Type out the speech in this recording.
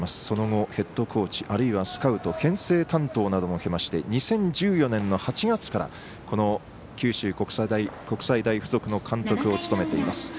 その後、ヘッドコーチあるいはスカウト編成担当などを経まして２０１４年の８月からこの九州国際大付属の監督を務めています。